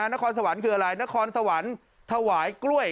นครสวรรค์คืออะไรนครสวรรค์ถวายกล้วย